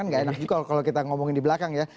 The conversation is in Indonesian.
nggak enak juga kalau kita ngomongin di belakang ya